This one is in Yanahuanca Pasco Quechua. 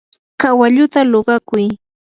kawalluta luqakuy.